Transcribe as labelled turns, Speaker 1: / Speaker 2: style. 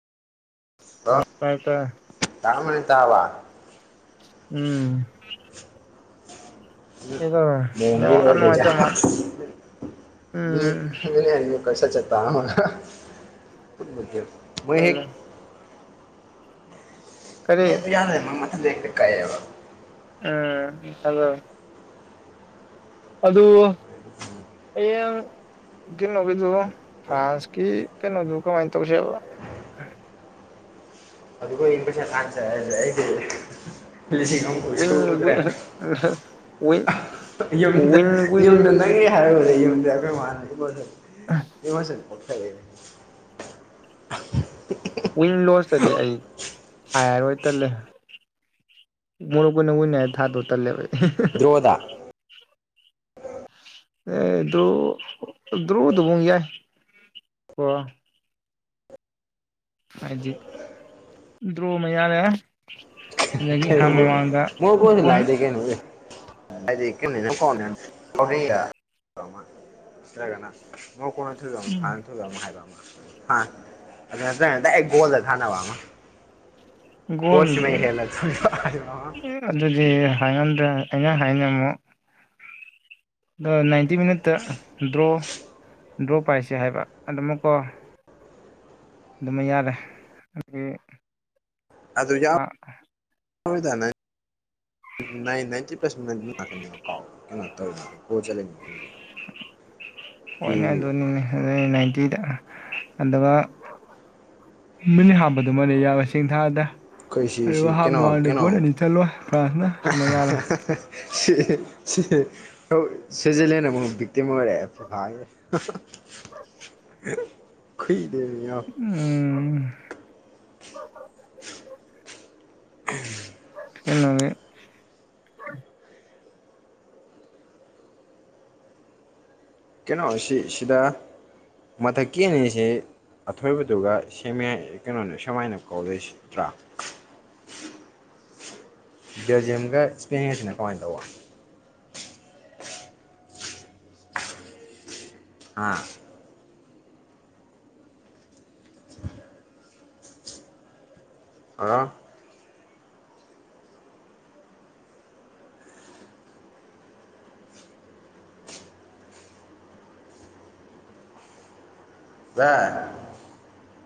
Speaker 1: ꯃꯥꯏꯇ
Speaker 2: ꯇꯥꯃꯔꯤ ꯇꯕ
Speaker 1: ꯎꯝ
Speaker 2: ꯎ
Speaker 1: ꯀꯩꯗꯧꯔꯦ
Speaker 2: ꯃꯣꯡ
Speaker 1: ꯅꯦꯠꯋꯥꯛ
Speaker 2: ꯍ
Speaker 1: ꯌꯥꯝ ꯅꯨꯡꯉꯥꯏꯇ ꯃꯥꯜꯂꯦ ꯎꯝ
Speaker 2: ꯆꯣꯖ ꯑꯔꯤ ꯀꯁ ꯆꯠꯇ
Speaker 1: ꯍꯂ
Speaker 2: ꯅ
Speaker 1: ꯀꯔꯤ
Speaker 2: ꯑꯗꯨ ꯌꯥꯗꯦ ꯃꯪ ꯃꯊꯟꯗ ꯍꯛꯇ ꯀꯥꯏꯑꯦꯕ
Speaker 1: ꯎꯝ ꯑꯗꯣ ꯑꯗꯨ ꯍꯌꯦꯡ ꯀꯩꯅꯣꯒꯤꯗꯨ ꯐ꯭ꯔꯥꯟꯁꯀꯤ ꯀꯩꯅꯣꯗꯨ ꯀꯃꯥꯏꯅ ꯇꯧꯁꯦꯕ
Speaker 2: ꯑꯗꯨꯒꯣ ꯏꯟ ꯄꯁ ꯀꯥꯟꯁꯦ
Speaker 1: [unintelligible]
Speaker 2: ꯌꯨꯝꯗ
Speaker 1: ꯋꯤꯟ ꯋꯤꯟ
Speaker 2: ꯌꯨꯝꯗ ꯅꯪꯉꯦ ꯍꯥꯏꯔꯕꯗ ꯌꯨꯝꯗ ꯑꯩꯈꯣꯏ ꯃꯥꯜꯂꯦꯣ ꯏꯕꯁ ꯑꯣ ꯂꯩ
Speaker 1: ꯋꯤꯟ ꯂꯣꯁꯇꯗꯤ ꯑꯩ ꯍꯥꯏꯔꯔꯣꯏ ꯇꯜꯂꯦ ꯃꯨꯣꯏꯅ ꯍꯨ ꯅ ꯊꯥꯗ ꯎ ꯇꯔꯂꯦꯚ
Speaker 2: ꯗ꯭ꯔꯣꯗ
Speaker 1: ꯑꯦ ꯗ꯭ꯔꯨ ꯗ꯭ꯔꯨꯗꯕꯨꯡ ꯌꯥꯏ ꯀꯣ ꯍꯥꯏꯗꯤ ꯏꯗ꯭ꯔꯣ ꯃꯌꯥꯅꯦꯦ
Speaker 2: ꯀ ꯃꯑꯣ ꯀꯣꯁꯨ
Speaker 1: ꯒꯣꯜ
Speaker 2: ꯂꯥꯏꯗꯦ ꯀꯦ ꯐ ꯃꯣꯏ ꯀꯣꯟꯅ ꯊ ꯐꯦ ꯍꯥꯏꯕ ꯑꯗꯨ ꯅꯠꯇ ꯣꯜꯗ ꯊꯥꯅꯕ ꯑꯃ
Speaker 1: ꯒꯣꯜꯗꯦ
Speaker 2: ꯊ
Speaker 1: ꯑꯗꯨꯗꯤ ꯍꯥꯏꯉꯝꯗ꯭ꯔꯦ ꯑꯩꯅ ꯍꯥꯏꯅꯤꯡꯝꯃꯨ ꯑ ꯅꯥꯏꯟꯇꯤ ꯃꯤꯅꯠꯇ ꯗ꯭ꯔꯣ ꯗ꯭ꯔꯣ ꯄꯥꯏꯁꯦ ꯍꯥꯏꯕ ꯑꯗꯨ ꯑꯃꯨꯛꯀꯣ ꯑꯗꯨꯃ ꯌꯥꯔꯦ ꯑꯗꯒꯤ
Speaker 2: ꯑꯗꯨ ꯌꯥ ꯌꯥꯎꯗꯅ ꯅꯥ ꯅꯥꯏꯟꯇꯤ ꯄꯔꯁꯦꯟ ꯂꯥꯛꯀꯅꯤꯕ ꯀꯣ ꯀꯩꯅꯣ ꯇꯧꯔꯤꯅꯦꯦ ꯀꯣꯠꯠꯂꯁꯦ
Speaker 1: ꯍꯣꯏꯅꯦ ꯑꯗꯨꯅꯤꯅꯦ ꯑꯗꯨ ꯅꯥꯏꯟꯇꯤꯗ ꯑꯗꯨꯒ ꯃꯤꯅꯤ ꯍꯥꯞꯄꯗꯨꯃꯜꯂꯦ ꯌꯥ ꯆꯦꯡ ꯊꯥꯗ
Speaker 2: ꯁꯤ
Speaker 1: ꯑꯗꯨꯒ
Speaker 2: ꯁꯤ
Speaker 1: ꯍꯥ
Speaker 2: ꯀꯩꯅꯣ
Speaker 1: ꯃꯜꯗ
Speaker 2: ꯀꯩꯅꯣ
Speaker 1: ꯒꯣꯜ ꯑꯅꯤ ꯆꯠꯂꯣꯏ ꯐ꯭ꯔꯥꯟꯁꯅ ꯁꯤꯃ ꯌꯥꯜꯂꯦ
Speaker 2: [unintelligible] ꯁ꯭ꯋꯤꯖꯔꯂꯦꯟꯗ ꯑꯃꯨꯛ ꯕꯤꯛꯇꯤꯝ ꯑꯣꯏꯔꯛꯑꯦ ꯐꯐꯥꯦ ꯈꯩꯗꯅꯤ
Speaker 1: ꯎꯝ
Speaker 2: ꯎ
Speaker 1: ꯁꯤꯦꯡꯩꯅꯅꯦ
Speaker 2: ꯀꯩꯅꯣꯁꯤ ꯁꯤꯗ ꯃꯊꯛꯀꯤ ꯑꯅꯤꯁꯤ ꯑꯊꯣꯏꯕꯗꯨꯒ ꯁꯦꯝꯃꯦꯏ ꯀꯩꯅꯣꯅ ꯁꯨꯃꯥꯏꯅ ꯀꯧ ꯂꯩꯁꯤꯗ꯭ꯔꯥ ꯗꯤꯖꯦꯝꯒ ꯏꯁꯄꯦꯡꯒꯁꯤꯅ ꯀꯃꯥꯏꯅ ꯇꯧꯕ ꯑꯥ ꯍꯥ ꯋꯥ